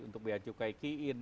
untuk biaya cukai key in